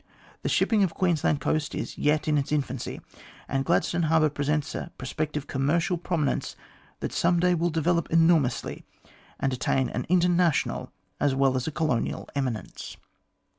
The shipping of the Queensland coast is yet in its infancy, and Gladstone harbour presents a prospective commercial prominence that some day will develop enormously, and attain an international as well as a colonial eminence."